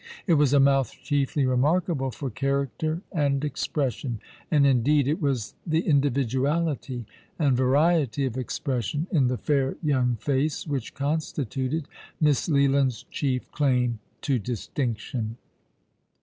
It was a mouth chiefly remarkable for character and expression ; and, indeed, it was the individuality and variety of expression in the fair young face which constituted Miss Leland's chief claim to distinction.